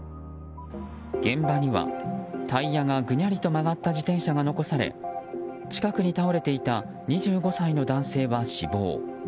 現場には、タイヤがぐにゃりと曲がった自転車が残され近くに倒れていた２５歳の男性は死亡。